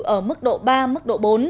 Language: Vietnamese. ở mức độ ba mức độ bốn